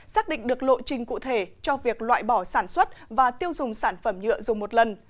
xác định được lộ trình cụ thể cho việc loại bỏ sản xuất và tiêu dùng sản phẩm nhựa dùng một lần